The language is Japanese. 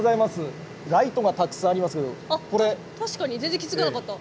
確かに全然気付かなかった。